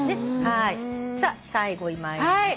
さあ最後に参りましょう。